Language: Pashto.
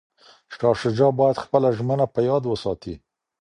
شاه شجاع باید خپله ژمنه په یاد وساتي.